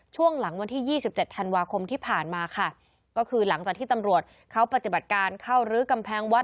ช่วงหลังวันที่ยี่สิบเจ็ดธันวาคมที่ผ่านมาค่ะก็คือหลังจากที่ตำรวจเขาปฏิบัติการเข้ารื้อกำแพงวัด